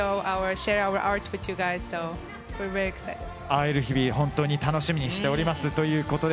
会える日々を本当に楽しみにしておりますと。